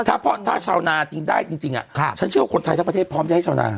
ถ้าพ่อถ้าชาวนาจริงได้จริงจริงอ่ะครับฉันเชื่อว่าคนไทยทั้งประเทศพร้อมจะให้ชาวนา